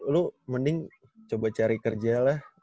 lu mending coba cari kerja lah